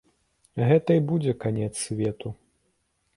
Гэта і будзе канец свету.